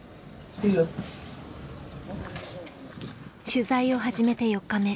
取材を始めて４日目。